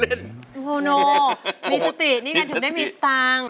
มีสตี่นี่กันถึงได้มีสตางค์